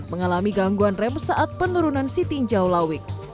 mengalami gangguan rem saat penurunan siti jauh lawik